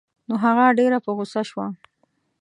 نو هغه ډېره په غوسه شوه.